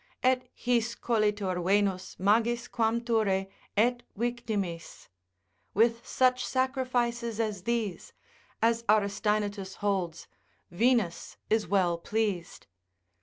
Et his colitur Venus magis quam thure, et victimis, with such sacrifices as these (as Aristaenetus holds) Venus is well pleased.